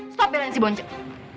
stop belain si bonceng